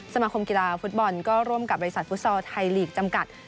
สมาคมกีฬาฟุตบอลก็ร่วมกับบริษัทฟุตซอลไทยลีกจำกัด